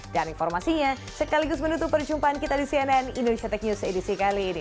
dan informasinya sekaligus menutup perjumpaan kita di cnn indonesia tech news edisi kali ini